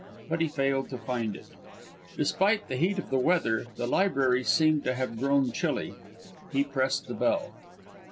But he failed to find it. Despite the heat of the weather, the library seemed to have grown chilly. He pressed the bell.